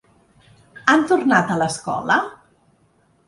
Han tornat a l’escola?